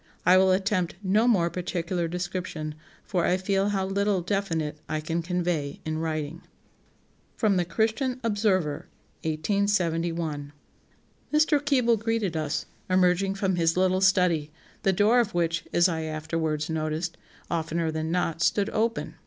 I will attempt no more particular description, for I feel how little definite I can convey in writing." [Sidenote: The Christian Observer, 1871.] "Mr. Keble greeted us, emerging from his little study, the door of which, as I afterwards noticed, oftener than not, stood open....